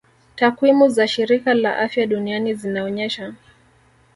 Takwimu za shirika la afya duniani zinaonyesha